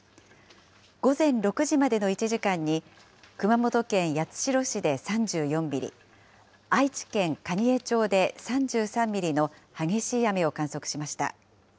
午前６時までの１時間に、熊本県八代市で３４ミリ、愛知県蟹江町で３３ミリの激しい雨を観測しました。